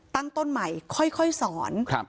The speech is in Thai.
ตั้งต้นใหม่ค่อยสอน